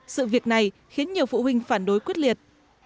sự việc này khiến nhiều phụ huynh phản đối quyết liệt